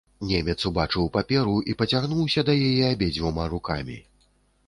Немец убачыў паперу і пацягнуўся да яе абедзвюма рукамі.